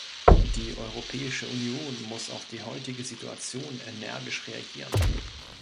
Die Europäische Union muss auf die heutige Situation energisch reagieren.